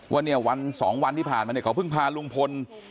ว่าเนี่ยวันสองวันที่ผ่านมาเนี่ยเขาเพิ่งพาลุงพล